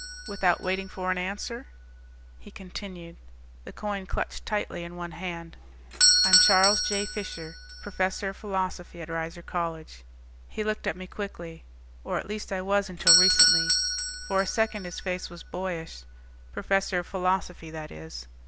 Without waiting for an answer, he continued, the coin clutched tightly in one hand. "I'm Charles J. Fisher, professor of philosophy at Reiser College." He looked at me quickly. "Or at least I was until recently." For a second his face was boyish. "Professor of philosophy, that is."